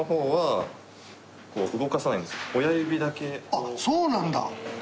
あっそうなんだ！